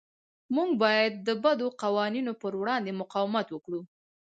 موږ باید د بدو قوانینو پر وړاندې مقاومت وکړو.